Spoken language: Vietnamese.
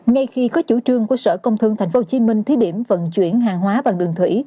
ngay khi có chủ trương của sở công thương tp hcm thí điểm vận chuyển hàng hóa bằng đường thủy